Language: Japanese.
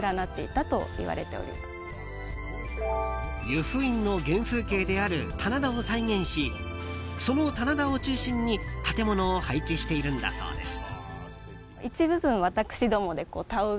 由布院の原風景である棚田を再現しその棚田を中心に建物を配置しているんだそうです。